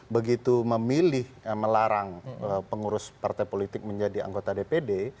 begitu memilih melarang pengurus partai politik menjadi anggota dpd